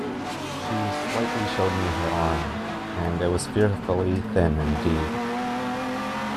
She slightly showed me her arm, and it was fearfully thin indeed.